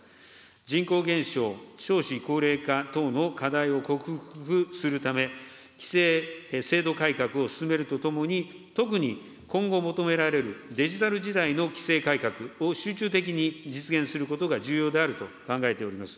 人口減少、少子高齢化等の課題を克服するため、規制制度改革を進めるとともに、特に今後求められる、デジタル時代の規制改革を集中的に実現することが重要であると考えております。